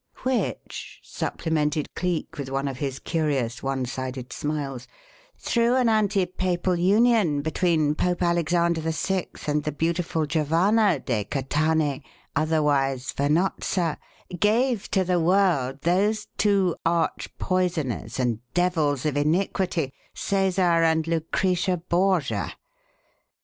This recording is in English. "Which," supplemented Cleek, with one of his curious one sided smiles, "through an ante papal union between Pope Alexander VI and the beautiful Giovanna de Catanei otherwise Vanozza gave to the world those two arch poisoners and devils of iniquity, Cæsar and Lucretia Borgia.